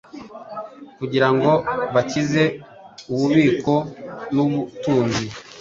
kugirango bakize ububiko-nubutunzi